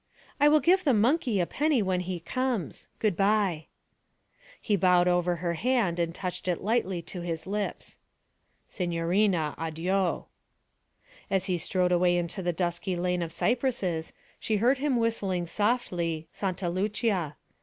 'I will give the monkey a penny when he comes good bye.' He bowed over her hand and touched it lightly to his lips. 'Signorina, addio!' As he strode away into the dusky lane of cypresses, she heard him whistling softly 'Santa Lucia.'